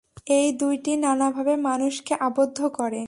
এই দুইটি নানাভাবে মানুষকে আবদ্ধ করে।